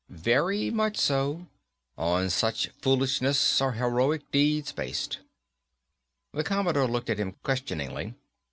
"Very much so. On such foolishness are heroic deeds based, Captain." The Commodore looked at him questioningly.